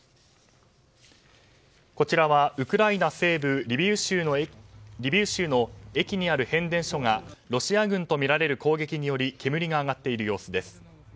こちらはウクライナ西部リビウ州の駅にある変電所がロシア軍とみられる攻撃により煙が上がっている様子です。